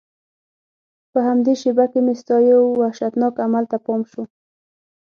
په همدې شېبه کې مې ستا یو وحشتناک عمل ته پام شو.